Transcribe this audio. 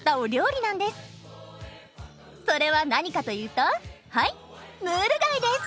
それは何かというとはいムール貝です！